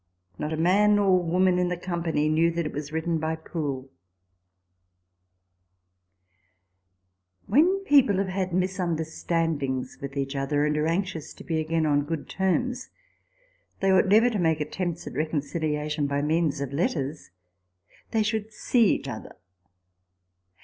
Not a man or woman in the company knew that it was written by Poole !^ When people have had misunderstandings with each other, and are anxious to be again on good terms, they ought never to make attempts at reconciliation by means of letters ; they should see 198 RECOLLECTIONS OF THE each other.